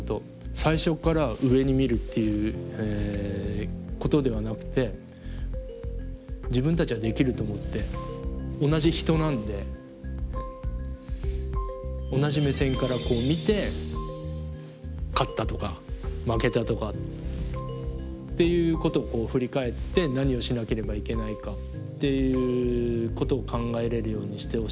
最初から上に見るっていうことではなくて自分たちはできると思って同じ人なんで同じ目線から見て勝ったとか負けたとかっていうことを振り返って何をしなければいけないかっていうことを考えれるようにしてほしいなと思います。